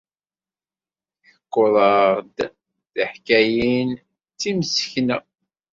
Tḥekkuḍ-aɣ-d tiḥkayin d timsekna.